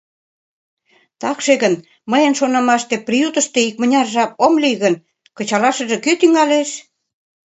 Такше гын, мыйын шонымаште, приютышто икмыняр жап ом лий гын, кычалашыжак кӧ тӱҥалеш?